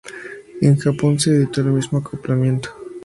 En Japón, se editó el mismo acoplamiento.